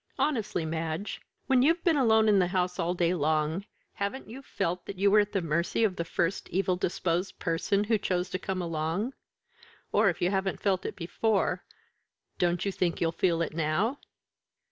Honestly, Madge, when you've been alone in the house all day long, haven't you felt that you were at the mercy of the first evil disposed person who chose to come along; or, if you haven't felt it before, don't you think you'll feel it now?"